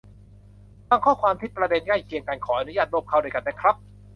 บางข้อความที่ประเด็นใกล้เคียงกันขออนุญาตรวบเข้าด้วยกันนะครับ